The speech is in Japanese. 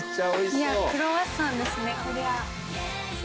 いやクロワッサンですねこりゃ。